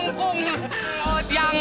mengkunglah oh tiang